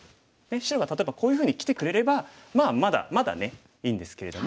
白が例えばこういうふうにきてくれればまあまだまだねいいんですけれども。